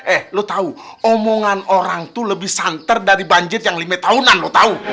eh lo tau omongan orang tuh lebih santer dari banjir yang lima tahunan lo tau